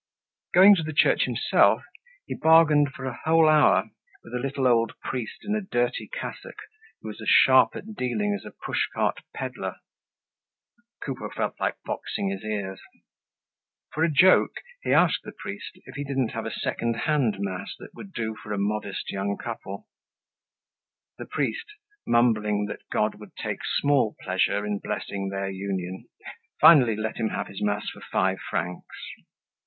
Going to the church himself, he bargained for a whole hour with a little old priest in a dirty cassock who was as sharp at dealing as a push cart peddler. Coupeau felt like boxing his ears. For a joke, he asked the priest if he didn't have a second hand mass that would do for a modest young couple. The priest, mumbling that God would take small pleasure in blessing their union, finally let him have his mass for five francs.